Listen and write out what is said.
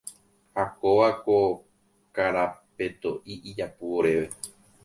Ha kóva ko karapetoʼi ijapu oréve.